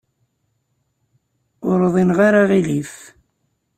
Ur uḍineɣ ara aɣilif.